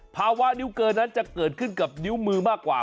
ภาวะนิ้วเกินนั้นจะเกิดขึ้นกับนิ้วมือมากกว่า